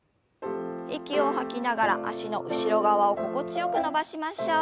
息を吐きながら脚の後ろ側を心地よく伸ばしましょう。